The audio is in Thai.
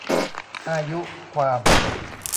อายุความ